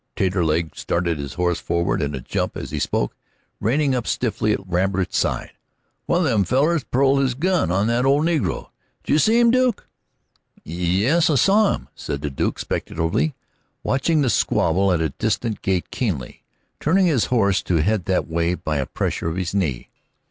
Taterleg started his horse forward in a jump as he spoke, reining up stiffly at Lambert's side. "One of them fellers pulled his gun on that old nigger did you see him, Duke?" "Ye es, I saw him," said the Duke speculatively, watching the squabble at the distant gate keenly, turning his horse to head that way by a pressure of his knee.